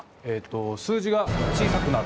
数字が小さくなる。